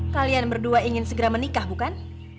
kalian berdua ingin segera menikah bukan